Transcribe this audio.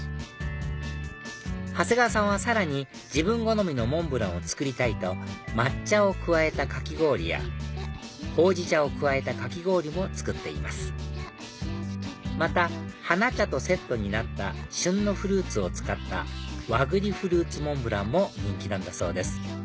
長谷川さんはさらに自分好みのモンブランを作りたいと抹茶を加えたかき氷やほうじ茶を加えたかき氷も作っていますまた花茶とセットになった旬のフルーツを使った和栗フルーツモンブランも人気なんだそうです